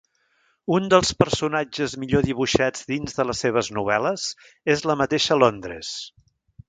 Un dels personatges millor dibuixats dins de les seves novel·les és la mateixa Londres.